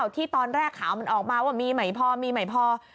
ที่ตอนแรกข่าวมันออกมาว่ามีใหม่พอมีใหม่พอ